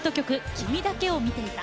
「君だけを見ていた」。